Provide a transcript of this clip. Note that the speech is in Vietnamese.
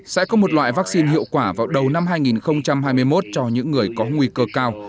sẽ có một loại vaccine hiệu quả vào đầu năm hai nghìn hai mươi một cho những người có nguy cơ cao